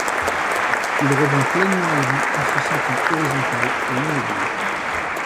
Il revint pleinement à lui en se sentant horizontal et immobile.